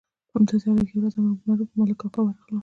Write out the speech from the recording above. په همداسې حالت کې یوه ورځ امر بالمعروف پر ملک کاکا ورغلل.